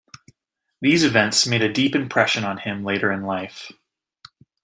These events made a deep impression on him later in life.